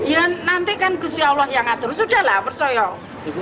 ya nanti kan kusya allah yang atur sudah lah persoal